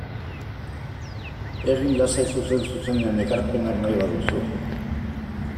Egin lasai zuzen-zuzenean ekarpenak nahi baduzu.